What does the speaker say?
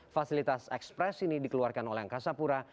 fasilitas ekspres ini dikeluarkan oleh angkasapura